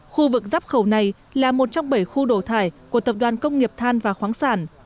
khu vực dắp khẩu này là một trong bảy khu đổ thải của tập đoàn công nghiệp than và khoáng sản